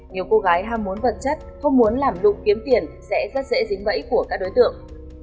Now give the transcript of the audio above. nhiều cô gái ham muốn vật chất không muốn làm lụng kiếm tiền sẽ rất dễ dính bẫy của các đối tượng